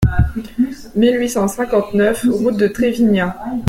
mille huit cent cinquante-neuf route de Trévignin